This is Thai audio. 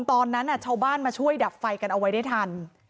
ตอนนั้นชาวบ้านมาช่วยดับไฟกันเอาไว้ได้ทัน